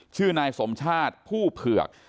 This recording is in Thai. ชื่อนายสมชาติผู้เผือก